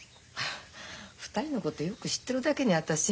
２人のことよく知ってるだけに私。